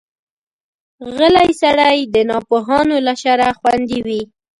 غلی سړی، د ناپوهانو له شره خوندي وي.